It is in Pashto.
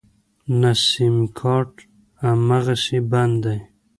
نه سيمکارټ امغسې بند دی.